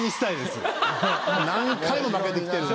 何回も負けてきてるんで。